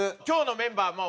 今日のメンバー